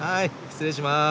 失礼します。